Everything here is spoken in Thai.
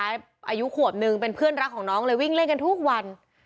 อายุขวบนึงเป็นเพื่อนรักของน้องเลยวิ่งเล่นกันทุกวัน